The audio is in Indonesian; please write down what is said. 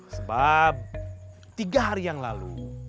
sebab tiga hari yang lalu